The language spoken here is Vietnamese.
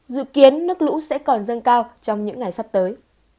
dự kiến nước lũ sẽ còn dâng cao trong những ngày sắp tới